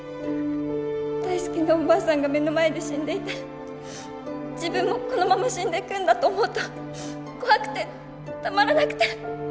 大好きなおばあさんが目の前で死んでいて自分もこのまま死んでいくんだと思うと怖くてたまらなくて。